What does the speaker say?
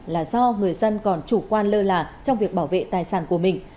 là do người dân còn chủ quan lơ là trong việc bảo vệ tài sản của mình